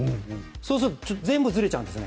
そうすると全部ずれちゃうんです。